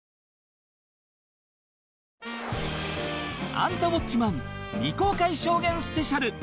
『アンタウォッチマン！』未公開証言スペシャル